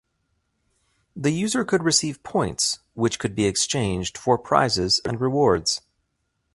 The user could receive points which could be exchanged for prizes and rewards.